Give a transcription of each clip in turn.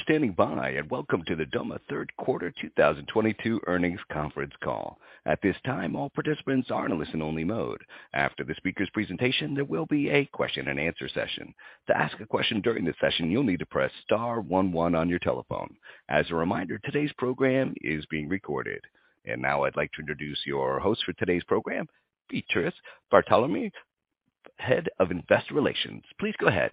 for standing by and welcome to the Doma Q3 2022 earnings conference call. At this time, all participants are in a listen-only mode. After the speaker's presentation, there will be a question and answer session. To ask a question during this session, you'll need to press star one one on your telephone. As a reminder, today's program is being recorded. Now I'd like to introduce your host for today's program, Beatriz Bartolome, Head of Investor Relations. Please go ahead.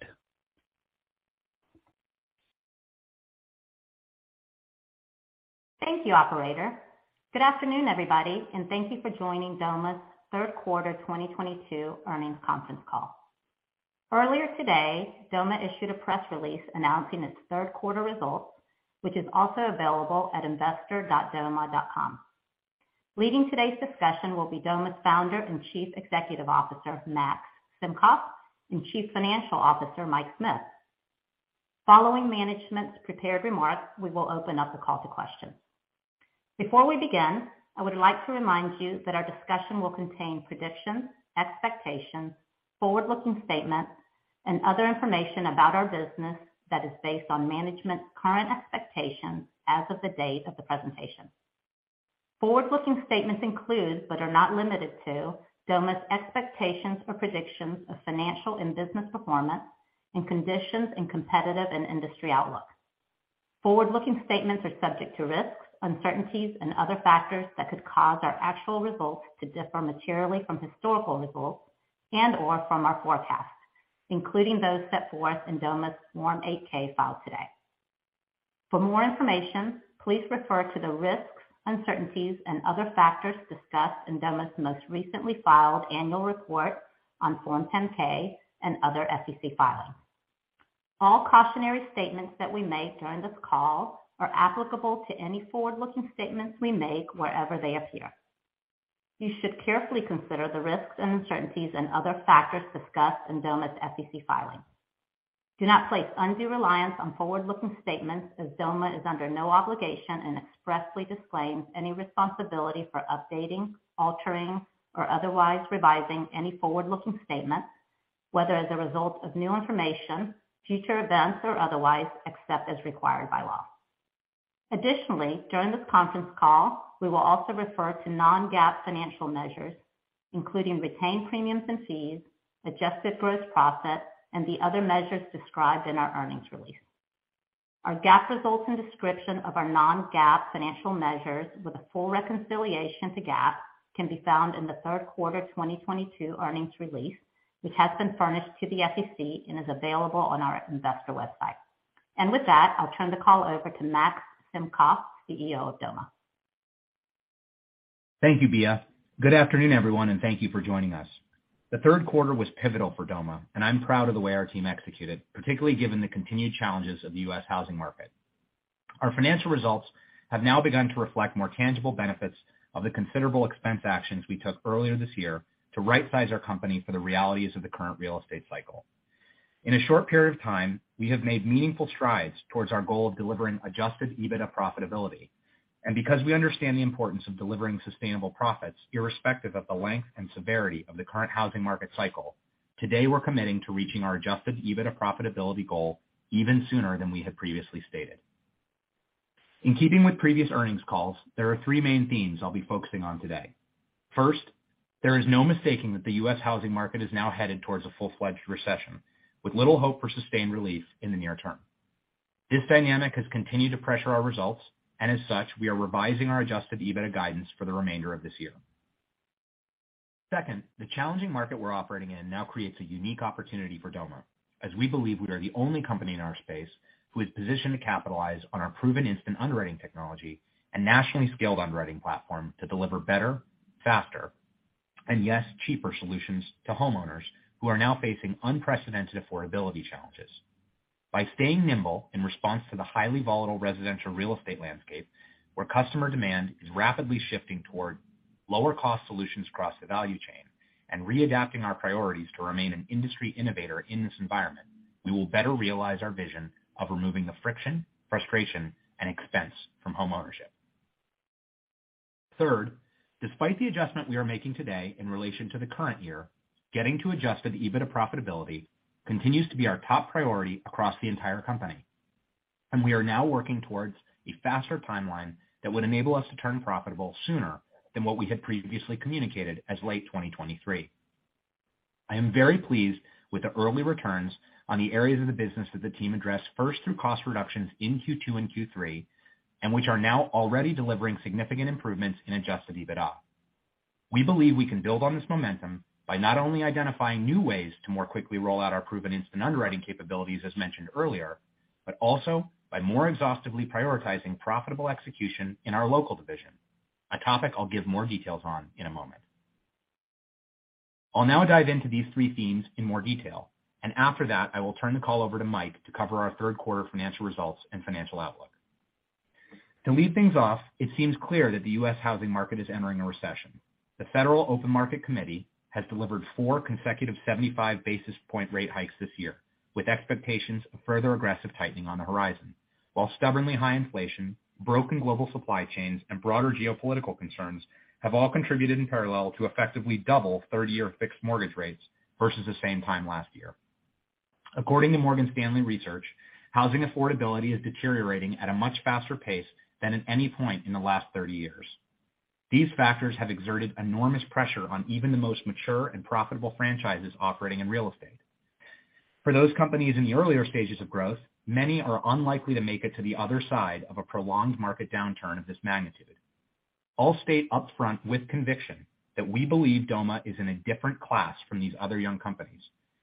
Thank you, operator. Good afternoon, everybody, and thank you for joining Doma's Q3 2022 earnings conference call. Earlier today, Doma issued a press release announcing its Q3 results, which is also available at investor.doma.com. Leading today's discussion will be Doma's founder and Chief Executive Officer, Max Simkoff, and Chief Financial Officer, Mike Smith. Following management's prepared remarks, we will open up the call to questions. Before we begin, I would like to remind you that our discussion will contain predictions, expectations, forward-looking statements, and other information about our business that is based on management's current expectations as of the date of the presentation. Forward-looking statements include, but are not limited to, Doma's expectations or predictions of financial and business performance, and conditions in competitive and industry outlook. Forward-looking statements are subject to risks, uncertainties and other factors that could cause our actual results to differ materially from historical results and/or from our forecasts, including those set forth in Doma's Form 8-K filed today. For more information, please refer to the risks, uncertainties and other factors discussed in Doma's most recently filed annual report on Form 10-K and other SEC filings. All cautionary statements that we make during this call are applicable to any forward-looking statements we make wherever they appear. You should carefully consider the risks and uncertainties and other factors discussed in Doma's SEC filing. Do not place undue reliance on forward-looking statements as Doma is under no obligation and expressly disclaims any responsibility for updating, altering, or otherwise revising any forward-looking statements, whether as a result of new information, future events, or otherwise, except as required by law. Additionally, during this conference call, we will also refer to non-GAAP financial measures, including retained premiums and fees, adjusted gross profit, and the other measures described in our earnings release. Our GAAP results and description of our non-GAAP financial measures with a full reconciliation to GAAP can be found in the Q3 2022 earnings release, which has been furnished to the SEC and is available on our investor website. With that, I'll turn the call over to Max Simkoff, CEO of Doma. Thank you, Bea. Good afternoon, everyone, and thank you for joining us. The Q3 was pivotal for Doma, and I'm proud of the way our team executed, particularly given the continued challenges of the U.S. housing market. Our financial results have now begun to reflect more tangible benefits of the considerable expense actions we took earlier this year to right-size our company for the realities of the current real estate cycle. In a short period of time, we have made meaningful strides towards our goal of delivering adjusted EBITDA profitability. Because we understand the importance of delivering sustainable profits irrespective of the length and severity of the current housing market cycle, today we're committing to reaching our adjusted EBITDA profitability goal even sooner than we had previously stated. In keeping with previous earnings calls, there are three main themes I'll be focusing on today. First, there is no mistaking that the U.S. housing market is now headed towards a full-fledged recession with little hope for sustained relief in the near term. This dynamic has continued to pressure our results, and as such, we are revising our adjusted EBITDA guidance for the remainder of this year. Second, the challenging market we're operating in now creates a unique opportunity for Doma, as we believe we are the only company in our space who is positioned to capitalize on our proven instant underwriting technology and nationally scaled underwriting platform to deliver better, faster, and yes, cheaper solutions to homeowners who are now facing unprecedented affordability challenges. By staying nimble in response to the highly volatile residential real estate landscape, where customer demand is rapidly shifting toward lower cost solutions across the value chain, and readapting our priorities to remain an industry innovator in this environment, we will better realize our vision of removing the friction, frustration, and expense from homeownership. Third, despite the adjustment we are making today in relation to the current year, getting to adjusted EBITDA profitability continues to be our top priority across the entire company, and we are now working towards a faster timeline that would enable us to turn profitable sooner than what we had previously communicated as late 2023. I am very pleased with the early returns on the areas of the business that the team addressed first through cost reductions in Q2 and Q3, and which are now already delivering significant improvements in adjusted EBITDA. We believe we can build on this momentum by not only identifying new ways to more quickly roll out our proven instant underwriting capabilities, as mentioned earlier, but also by more exhaustively prioritizing profitable execution in our local division, a topic I'll give more details on in a moment. I'll now dive into these three themes in more detail, and after that, I will turn the call over to Mike to cover our Q3 financial results and financial outlook. To lead things off, it seems clear that the U.S. housing market is entering a recession. The Federal Open Market Committee has delivered four consecutive 75 basis point rate hikes this year, with expectations of further aggressive tightening on the horizon. While stubbornly high inflation, broken global supply chains, and broader geopolitical concerns have all contributed in parallel to effectively double 30-year fixed mortgage rates versus the same time last year. According to Morgan Stanley Research, housing affordability is deteriorating at a much faster pace than at any point in the last 30 years. These factors have exerted enormous pressure on even the most mature and profitable franchises operating in real estate. For those companies in the earlier stages of growth, many are unlikely to make it to the other side of a prolonged market downturn of this magnitude. I'll state upfront with conviction that we believe Doma is in a different class from these other young companies,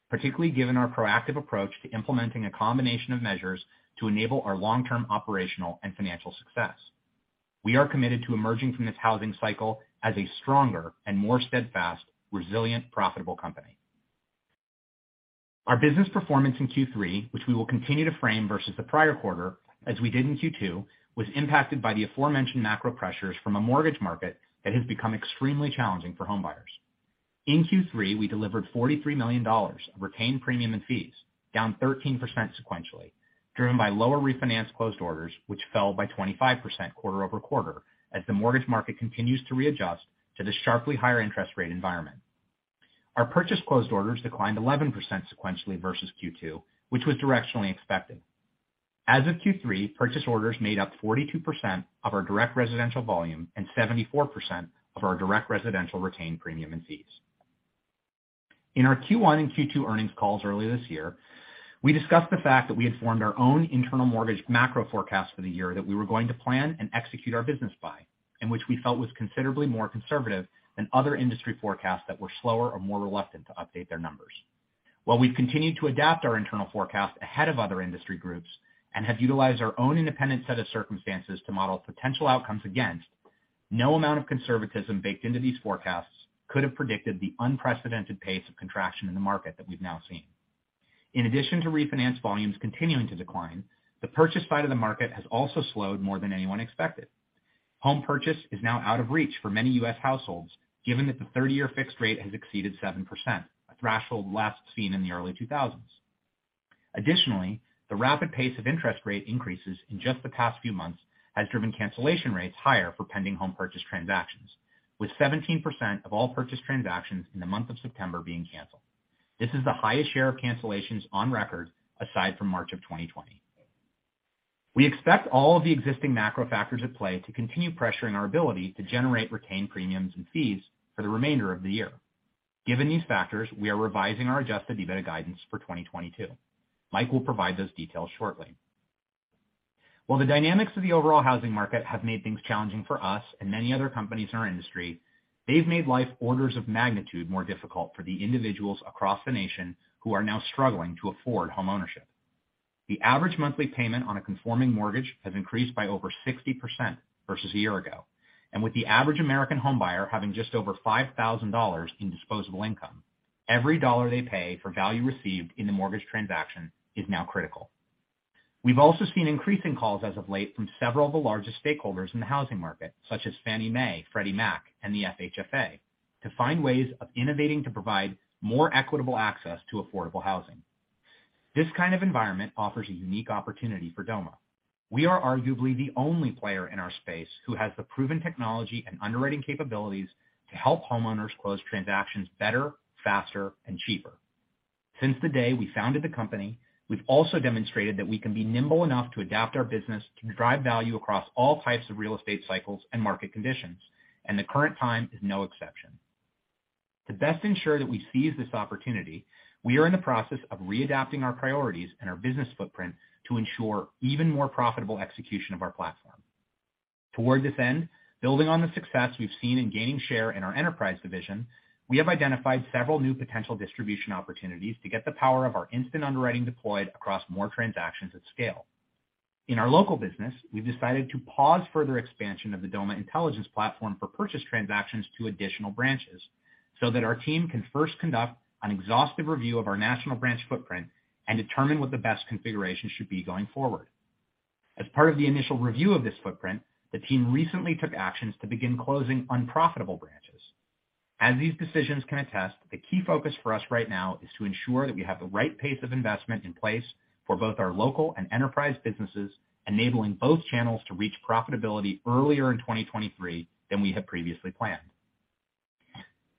particularly given our proactive approach to implementing a combination of measures to enable our long-term operational and financial success. We are committed to emerging from this housing cycle as a stronger and more steadfast, resilient, profitable company. Our business performance in Q3, which we will continue to frame versus the prior quarter, as we did in Q2, was impacted by the aforementioned macro pressures from a mortgage market that has become extremely challenging for home buyers. In Q3, we delivered $43 million of retained premiums and fees, down 13% sequentially, driven by lower refinance closed orders, which fell by 25% quarter-over-quarter as the mortgage market continues to readjust to the sharply higher interest rate environment. Our purchase closed orders declined 11% sequentially versus Q2, which was directionally expected. As of Q3, purchase orders made up 42% of our direct residential volume and 74% of our direct residential retained premiums and fees. In our Q1 and Q2 earnings calls earlier this year, we discussed the fact that we had formed our own internal mortgage macro forecast for the year that we were going to plan and execute our business by, and which we felt was considerably more conservative than other industry forecasts that were slower or more reluctant to update their numbers. While we've continued to adapt our internal forecast ahead of other industry groups and have utilized our own independent set of circumstances to model potential outcomes against, no amount of conservatism baked into these forecasts could have predicted the unprecedented pace of contraction in the market that we've now seen. In addition to refinance volumes continuing to decline, the purchase side of the market has also slowed more than anyone expected. Home purchase is now out of reach for many US households, given that the 30-year fixed rate has exceeded 7%, a threshold last seen in the early 2000s. Additionally, the rapid pace of interest rate increases in just the past few months has driven cancellation rates higher for pending home purchase transactions, with 17% of all purchase transactions in the month of September being canceled. This is the highest share of cancellations on record aside from March of 2020. We expect all of the existing macro factors at play to continue pressuring our ability to generate retained premiums and fees for the remainder of the year. Given these factors, we are revising our adjusted EBITDA guidance for 2022. Mike will provide those details shortly. While the dynamics of the overall housing market have made things challenging for us and many other companies in our industry, they've made life orders of magnitude more difficult for the individuals across the nation who are now struggling to afford homeownership. The average monthly payment on a conforming mortgage has increased by over 60% versus a year ago, and with the average American homebuyer having just over $5,000 in disposable income, every dollar they pay for value received in the mortgage transaction is now critical. We've also seen increasing calls as of late from several of the largest stakeholders in the housing market, such as Fannie Mae, Freddie Mac, and the FHFA, to find ways of innovating to provide more equitable access to affordable housing. This kind of environment offers a unique opportunity for Doma. We are arguably the only player in our space who has the proven technology and underwriting capabilities to help homeowners close transactions better, faster, and cheaper. Since the day we founded the company, we've also demonstrated that we can be nimble enough to adapt our business to drive value across all types of real estate cycles and market conditions, and the current time is no exception. To best ensure that we seize this opportunity, we are in the process of readapting our priorities and our business footprint to ensure even more profitable execution of our platform. Toward this end, building on the success we've seen in gaining share in our enterprise division, we have identified several new potential distribution opportunities to get the power of our instant underwriting deployed across more transactions at scale. In our local business, we've decided to pause further expansion of the Doma Intelligence platform for purchase transactions to additional branches so that our team can first conduct an exhaustive review of our national branch footprint and determine what the best configuration should be going forward. As part of the initial review of this footprint, the team recently took actions to begin closing unprofitable branches. As these decisions can attest, the key focus for us right now is to ensure that we have the right pace of investment in place for both our local and enterprise businesses, enabling both channels to reach profitability earlier in 2023 than we had previously planned.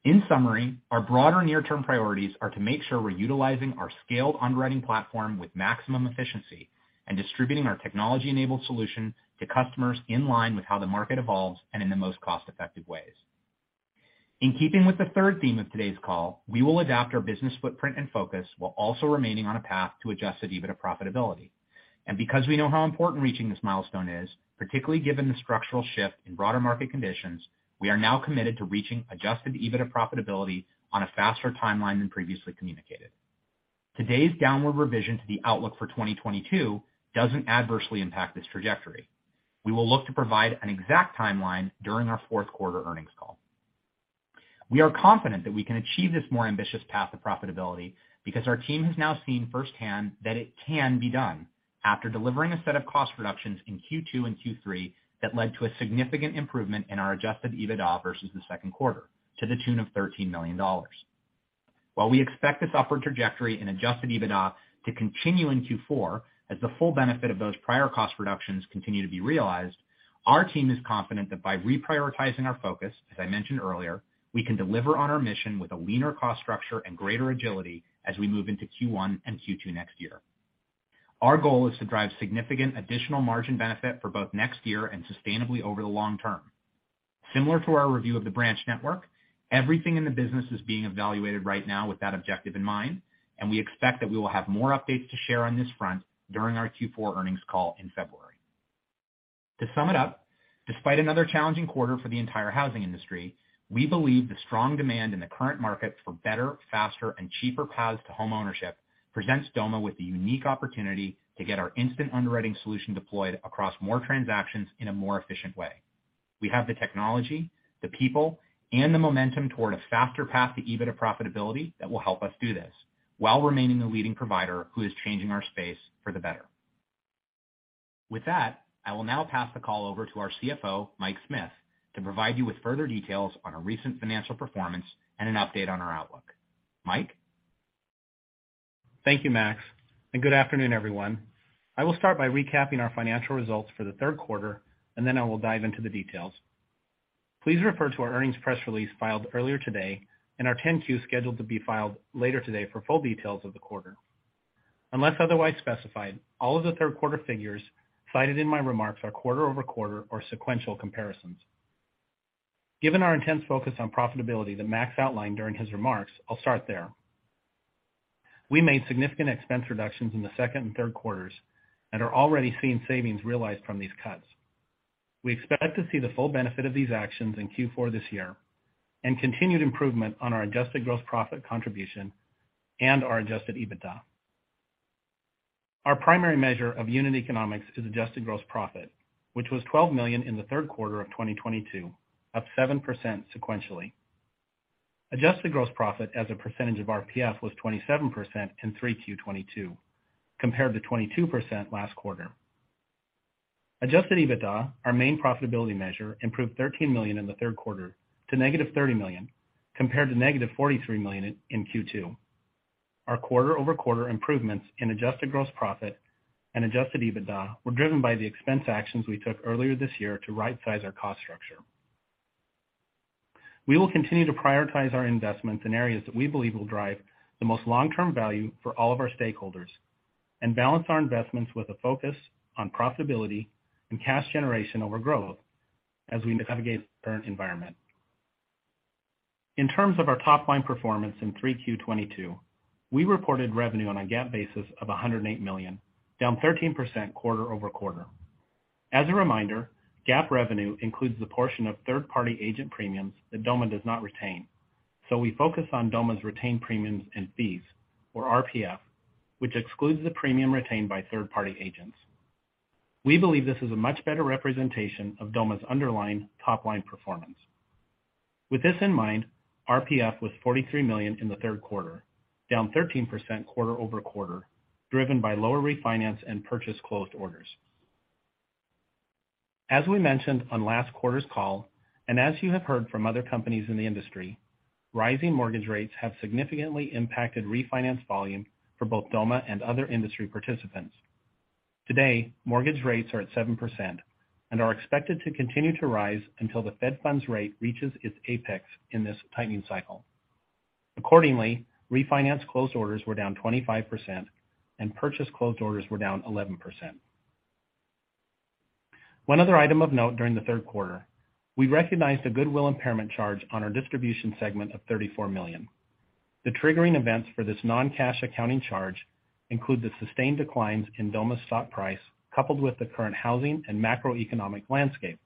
In summary, our broader near-term priorities are to make sure we're utilizing our scaled underwriting platform with maximum efficiency and distributing our technology-enabled solution to customers in line with how the market evolves and in the most cost-effective ways. In keeping with the third theme of today's call, we will adapt our business footprint and focus while also remaining on a path to adjusted EBITDA profitability. Because we know how important reaching this milestone is, particularly given the structural shift in broader market conditions, we are now committed to reaching adjusted EBITDA profitability on a faster timeline than previously communicated. Today's downward revision to the outlook for 2022 doesn't adversely impact this trajectory. We will look to provide an exact timeline during our Q4 earnings call. We are confident that we can achieve this more ambitious path to profitability because our team has now seen firsthand that it can be done after delivering a set of cost reductions in Q2 and Q3 that led to a significant improvement in our adjusted EBITDA versus the Q2 to the tune of $13 million. While we expect this upward trajectory in adjusted EBITDA to continue in Q4 as the full benefit of those prior cost reductions continue to be realized, our team is confident that by reprioritizing our focus, as I mentioned earlier, we can deliver on our mission with a leaner cost structure and greater agility as we move into Q1 and Q2 next year. Our goal is to drive significant additional margin benefit for both next year and sustainably over the long term. Similar to our review of the branch network, everything in the business is being evaluated right now with that objective in mind, and we expect that we will have more updates to share on this front during our Q4 earnings call in February. To sum it up, despite another challenging quarter for the entire housing industry, we believe the strong demand in the current market for better, faster and cheaper paths to homeownership presents Doma with the unique opportunity to get our instant underwriting solution deployed across more transactions in a more efficient way. We have the technology, the people, and the momentum toward a faster path to EBITDA profitability that will help us do this while remaining the leading provider who is changing our space for the better. With that, I will now pass the call over to our CFO, Mike Smith, to provide you with further details on our recent financial performance and an update on our outlook. Mike? Thank you, Max, and good afternoon, everyone. I will start by recapping our financial results for the Q3, and then I will dive into the details. Please refer to our earnings press release filed earlier today and our Form 10-Q, scheduled to be filed later today, for full details of the quarter. Unless otherwise specified, all of the Q3 figures cited in my remarks are quarter-over-quarter or sequential comparisons. Given our intense focus on profitability that Max outlined during his remarks, I'll start there. We made significant expense reductions in the second and Q3 and are already seeing savings realized from these cuts. We expect to see the full benefit of these actions in Q4 this year and continued improvement on our adjusted gross profit contribution and our adjusted EBITDA. Our primary measure of unit economics is adjusted gross profit, which was $12 million in Q3 2022, up 7% sequentially. Adjusted gross profit as a percentage of RPF was 27% in Q3 2022, compared to 22% last quarter. Adjusted EBITDA, our main profitability measure, improved $13 million in the Q3 to -$30 million, compared to -$43 million in Q2. Our quarter-over-quarter improvements in adjusted gross profit and adjusted EBITDA were driven by the expense actions we took earlier this year to right-size our cost structure. We will continue to prioritize our investments in areas that we believe will drive the most long-term value for all of our stakeholders and balance our investments with a focus on profitability and cash generation over growth as we navigate the current environment. In terms of our top line performance in Q3 2022, we reported revenue on a GAAP basis of $108 million, down 13% quarter-over-quarter. As a reminder, GAAP revenue includes the portion of third party agent premiums that Doma does not retain. We focus on Doma's retained premiums and fees, or RPF, which excludes the premium retained by third party agents. We believe this is a much better representation of Doma's underlying top line performance. With this in mind, RPF was $43 million in the Q3, down 13% quarter-over-quarter, driven by lower refinance and purchase closed orders. As we mentioned on last quarter's call, and as you have heard from other companies in the industry, rising mortgage rates have significantly impacted refinance volume for both Doma and other industry participants. Today, mortgage rates are at 7% and are expected to continue to rise until the Fed funds rate reaches its apex in this tightening cycle. Accordingly, refinance closed orders were down 25% and purchase closed orders were down 11%. One other item of note during the Q3, we recognized a goodwill impairment charge on our distribution segment of $34 million. The triggering events for this non-cash accounting charge include the sustained declines in Doma's stock price, coupled with the current housing and macroeconomic landscape.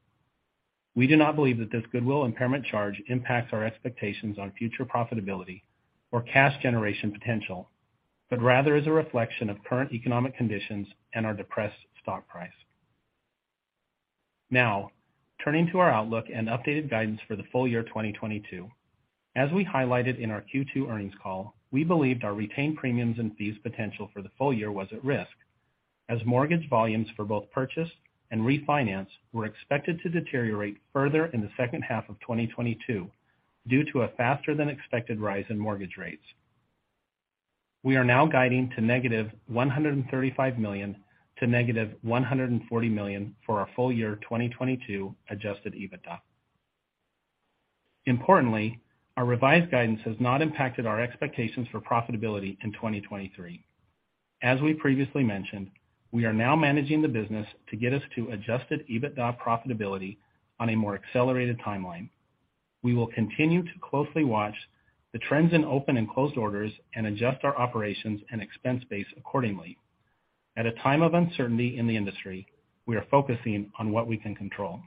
We do not believe that this goodwill impairment charge impacts our expectations on future profitability or cash generation potential, but rather is a reflection of current economic conditions and our depressed stock price. Now, turning to our outlook and updated guidance for the full year 2022. As we highlighted in our Q2 earnings call, we believed our retained premiums and fees potential for the full year was at risk as mortgage volumes for both purchase and refinance were expected to deteriorate further in the second half of 2022 due to a faster than expected rise in mortgage rates. We are now guiding to -$135 million to -$140 million for our full year 2022 adjusted EBITDA. Importantly, our revised guidance has not impacted our expectations for profitability in 2023. As we previously mentioned, we are now managing the business to get us to adjusted EBITDA profitability on a more accelerated timeline. We will continue to closely watch the trends in open and closed orders and adjust our operations and expense base accordingly. At a time of uncertainty in the industry, we are focusing on what we can control.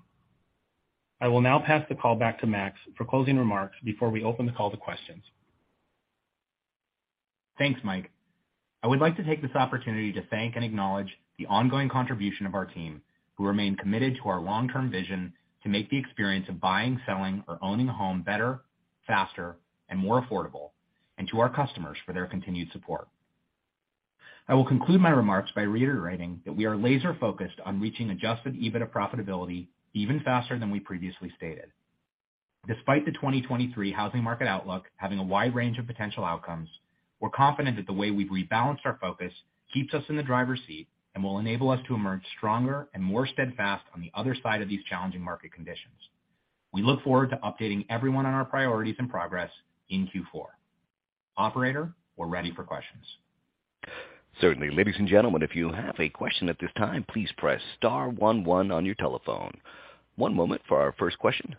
I will now pass the call back to Max for closing remarks before we open the call to questions. Thanks, Mike. I would like to take this opportunity to thank and acknowledge the ongoing contribution of our team, who remain committed to our long-term vision to make the experience of buying, selling or owning a home better, faster and more affordable, and to our customers for their continued support. I will conclude my remarks by reiterating that we are laser focused on reaching adjusted EBITDA profitability even faster than we previously stated. Despite the 2023 housing market outlook having a wide range of potential outcomes, we're confident that the way we've rebalanced our focus keeps us in the driver's seat and will enable us to emerge stronger and more steadfast on the other side of these challenging market conditions. We look forward to updating everyone on our priorities and progress in Q4. Operator, we're ready for questions. Certainly. Ladies and gentlemen, if you have a question at this time, please press star one one on your telephone. One moment for our first question.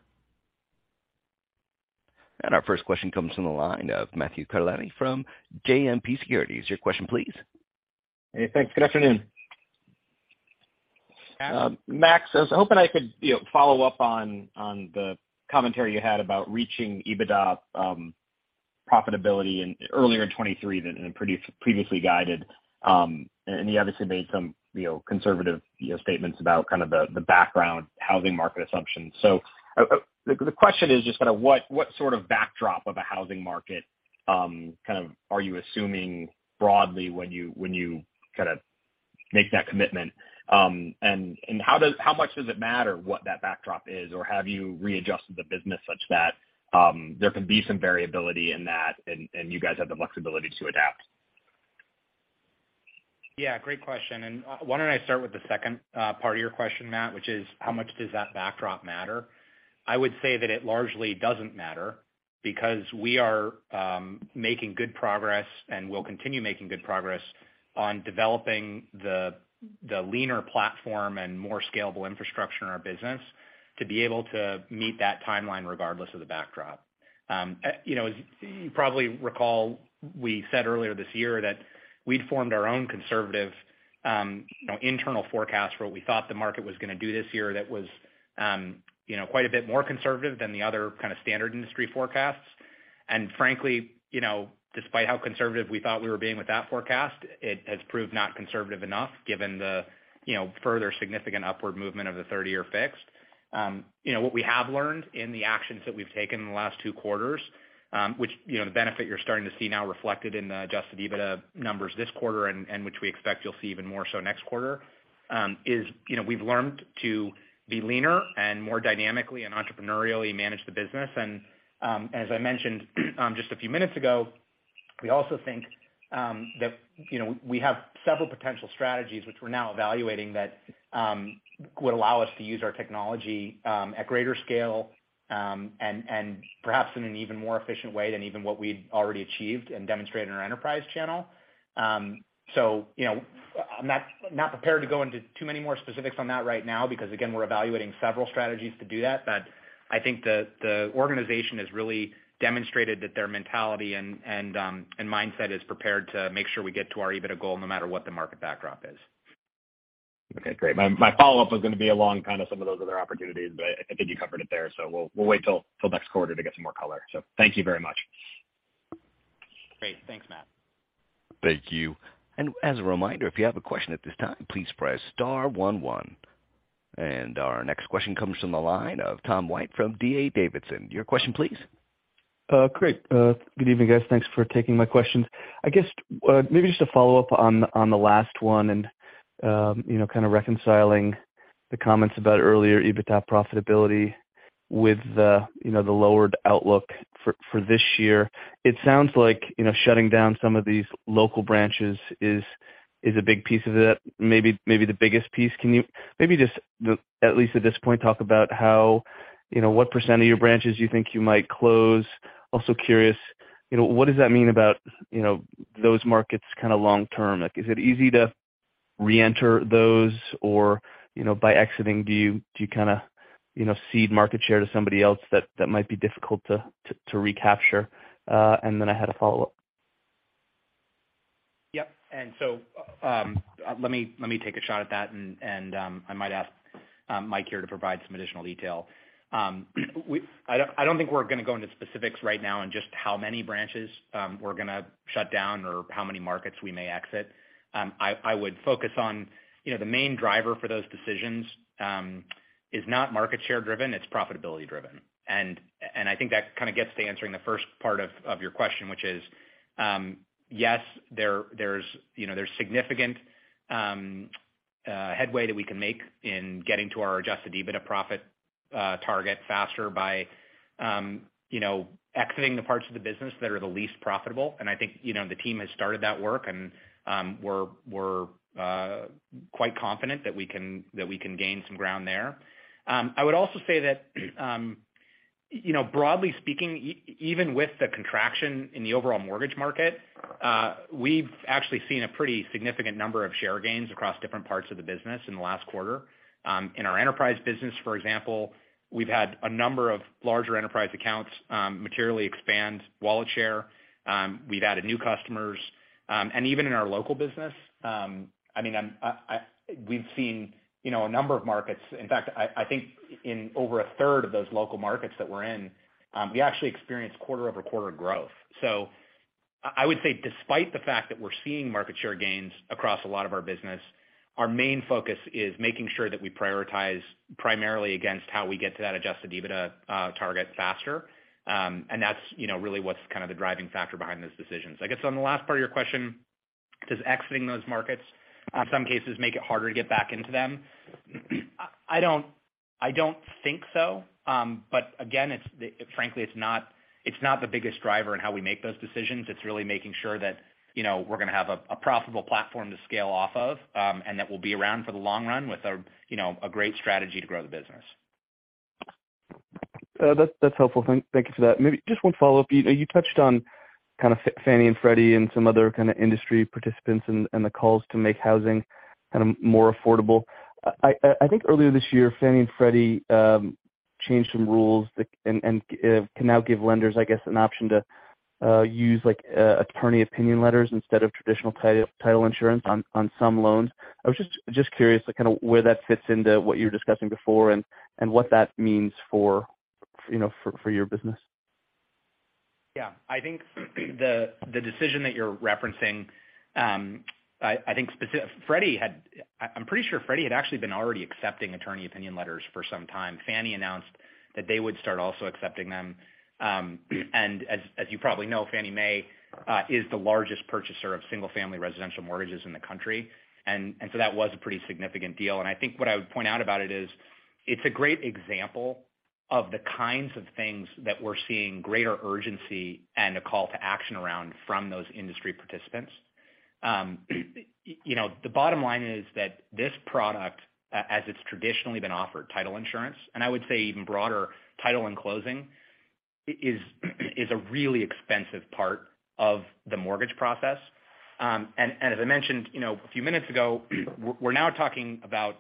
Our first question comes from the line of Matthew Carletti from JMP Securities. Your question, please. Hey, thanks. Good afternoon. Max, I was hoping I could, you know, follow up on the commentary you had about reaching EBITDA profitability earlier in 2023 than previously guided. You obviously made some, you know, conservative, you know, statements about kind of the background housing market assumptions. The question is just kind of what sort of backdrop of a housing market kind of are you assuming broadly when you kind of make that commitment? How much does it matter what that backdrop is? Or have you readjusted the business such that there can be some variability in that and you guys have the flexibility to adapt? Yeah, great question. Why don't I start with the second part of your question, Matt, which is how much does that backdrop matter? I would say that it largely doesn't matter because we are making good progress and will continue making good progress on developing the leaner platform and more scalable infrastructure in our business to be able to meet that timeline regardless of the backdrop. You know, as you probably recall, we said earlier this year that we'd formed our own conservative internal forecast for what we thought the market was gonna do this year that was quite a bit more conservative than the other kind of standard industry forecasts. Frankly, you know, despite how conservative we thought we were being with that forecast, it has proved not conservative enough given the, you know, further significant upward movement of the 30-year fixed. You know, what we have learned in the actions that we've taken in the last two quarters, which, you know, the benefit you're starting to see now reflected in the adjusted EBITDA numbers this quarter and which we expect you'll see even more so next quarter, is, you know, we've learned to be leaner and more dynamically and entrepreneurially manage the business. As I mentioned just a few minutes ago, we also think that you know we have several potential strategies which we're now evaluating that would allow us to use our technology at greater scale and perhaps in an even more efficient way than even what we'd already achieved and demonstrated in our enterprise channel. You know, I'm not prepared to go into too many more specifics on that right now because again we're evaluating several strategies to do that. I think the organization has really demonstrated that their mentality and mindset is prepared to make sure we get to our EBITDA goal no matter what the market backdrop is. Okay, great. My follow-up was gonna be along kind of some of those other opportunities, but I think you covered it there, so we'll wait till next quarter to get some more color. Thank you very much. Great. Thanks, Matt. Thank you. As a reminder, if you have a question at this time, please press star one one. Our next question comes from the line of Tom White from D.A. Davidson. Your question, please. Great. Good evening, guys. Thanks for taking my questions. I guess, maybe just a follow-up on the last one and, you know, kind of reconciling the comments about earlier EBITDA profitability with the, you know, the lowered outlook for this year. It sounds like, you know, shutting down some of these local branches is a big piece of that. Maybe the biggest piece. Can you maybe just, at least at this point, talk about how, you know, what percent of your branches you think you might close? Also curious, you know, what does that mean about, you know, those markets kind of long term? Like, is it easy to reenter those or, you know, by exiting, do you kinda, you know, cede market share to somebody else that might be difficult to recapture? I had a follow-up. Yep. Let me take a shot at that, and I might ask Mike here to provide some additional detail. We don't think we're gonna go into specifics right now on just how many branches we're gonna shut down or how many markets we may exit. I would focus on, you know, the main driver for those decisions is not market share driven, it's profitability driven. I think that kind of gets to answering the first part of your question, which is, yes, you know, there's significant headway that we can make in getting to our adjusted EBITDA profit target faster by, you know, exiting the parts of the business that are the least profitable. I think, you know, the team has started that work, and we're quite confident that we can gain some ground there. I would also say that, you know, broadly speaking, even with the contraction in the overall mortgage market, we've actually seen a pretty significant number of share gains across different parts of the business in the last quarter. In our enterprise business, for example, we've had a number of larger enterprise accounts materially expand wallet share. We've added new customers, and even in our local business, I mean, we've seen, you know, a number of markets. In fact, I think in over a third of those local markets that we're in, we actually experienced quarter-over-quarter growth. I would say despite the fact that we're seeing market share gains across a lot of our business, our main focus is making sure that we prioritize primarily against how we get to that adjusted EBITDA target faster. That's, you know, really what's kind of the driving factor behind those decisions. I guess on the last part of your question, does exiting those markets in some cases make it harder to get back into them? I don't think so. Again, it's frankly not the biggest driver in how we make those decisions. It's really making sure that, you know, we're gonna have a profitable platform to scale off of, and that we'll be around for the long run with a, you know, a great strategy to grow the business. That's helpful. Thank you for that. Maybe just one follow-up. You touched on kind of Fannie and Freddie and some other kind of industry participants and the calls to make housing kind of more affordable. I think earlier this year, Fannie and Freddie changed some rules and can now give lenders, I guess, an option to use like attorney opinion letters instead of traditional title insurance on some loans. I was just curious like kinda where that fits into what you were discussing before and what that means for, you know, for your business. Yeah. I think the decision that you're referencing. I'm pretty sure Freddie had actually been already accepting attorney opinion letters for some time. Fannie announced that they would start also accepting them. As you probably know, Fannie Mae is the largest purchaser of single-family residential mortgages in the country. So that was a pretty significant deal. I think what I would point out about it is, it's a great example of the kinds of things that we're seeing greater urgency and a call to action around from those industry participants. You know, the bottom line is that this product, as it's traditionally been offered, title insurance, and I would say even broader, title and closing, is a really expensive part of the mortgage process. As I mentioned, you know, a few minutes ago, we're now talking about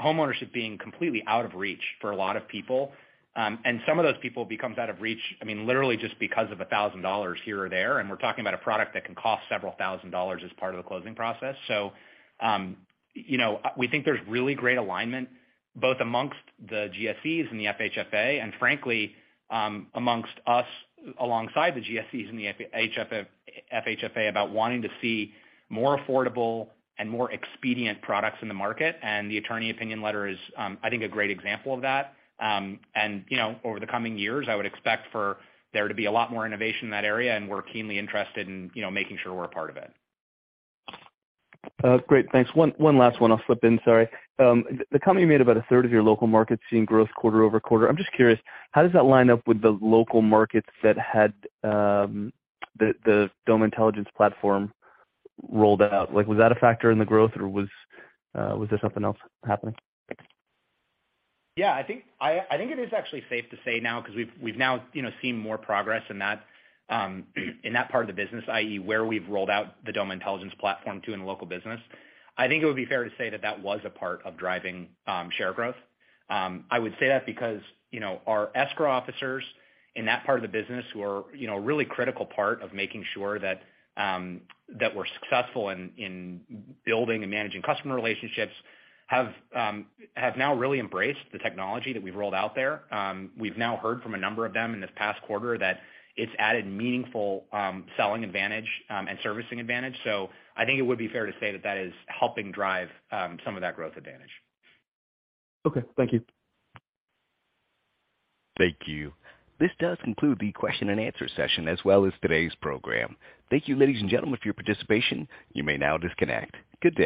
homeownership being completely out of reach for a lot of people. Some of those people becomes out of reach, I mean, literally just because of $1,000 here or there, and we're talking about a product that can cost several thousand dollars as part of the closing process. We think there's really great alignment, both amongst the GSEs and the FHFA, and frankly, amongst us, alongside the GSEs and the FHFA about wanting to see more affordable and more expedient products in the market. The attorney opinion letter is, I think, a great example of that. You know, over the coming years, I would expect for there to be a lot more innovation in that area, and we're keenly interested in, you know, making sure we're a part of it. Great. Thanks. One last one I'll slip in. Sorry. The company had about 1/3 of your local markets seeing growth quarter-over-quarter. I'm just curious, how does that line up with the local markets that had the Doma Intelligence platform rolled out? Like, was that a factor in the growth, or was there something else happening? Yeah, I think it is actually safe to say now because we've now, you know, seen more progress in that part of the business, i.e., where we've rolled out the Doma Intelligence platform to in the local business. I think it would be fair to say that was a part of driving share growth. I would say that because, you know, our escrow officers in that part of the business who are, you know, a really critical part of making sure that we're successful in building and managing customer relationships have now really embraced the technology that we've rolled out there. We've now heard from a number of them in this past quarter that it's added meaningful selling advantage and servicing advantage. I think it would be fair to say that is helping drive some of that growth advantage. Okay, thank you. Thank you. This does conclude the question and answer session as well as today's program. Thank you, ladies and gentlemen, for your participation. You may now disconnect. Good day.